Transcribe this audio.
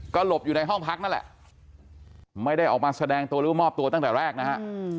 ก็หลบอยู่ในห้องพักนั่นแหละไม่ได้ออกมาแสดงตัวหรือว่ามอบตัวตั้งแต่แรกนะฮะ